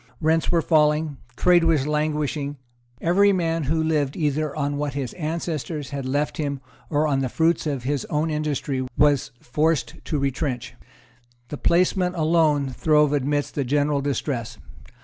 Rents were falling; trade was languishing; every man who lived either on what his ancestors had left him or on the fruits of his own industry was forced to retrench. The placeman alone throve amidst the general distress.